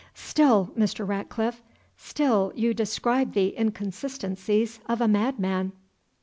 "Still, Mr. Ratcliffe still you describe the inconsistencies of a madman."